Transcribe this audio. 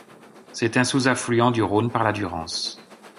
C'est un sous-affluent du Rhône par la Durance.